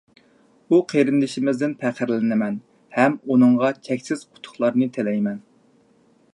ئۇ قېرىندىشىمىزدىن پەخىرلىنىمەن ھەم ئۇنىڭغا چەكسىز ئۇتۇقلارنى تىلەيمەن.